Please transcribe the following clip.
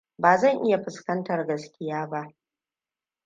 Ba zan iya fuskantar gaskiya ba.